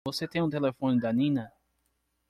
Você tem o telefone da Nina?